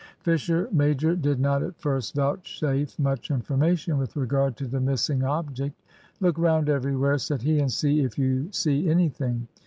Fisher major did not at first vouchsafe much information with regard to the missing object. "Look round everywhere," said he, "and see if you see anything."